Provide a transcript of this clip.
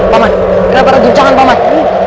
pak man kenapa terjun jangan pak man